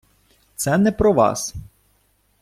Це не про Вас.